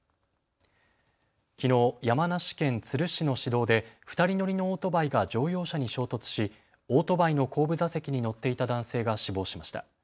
きのう山梨県都留市の市道で２人乗りのオートバイが乗用車に衝突しオートバイの後部座席に乗っていた男性が死亡しました。